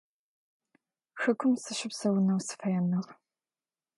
Хэкум сыщыпсэонэу сыфэеныгъ.